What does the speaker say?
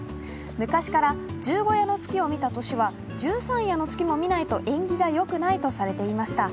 昔から十五夜の月を見た月は十三夜の月も見ないと縁起がよくないとされていました。